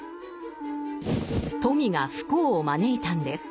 富が不幸を招いたんです。